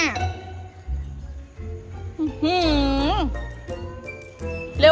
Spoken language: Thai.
อิ้ฮือ